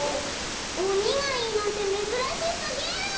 おにがいいなんてめずらしすぎる。